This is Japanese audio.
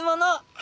あ！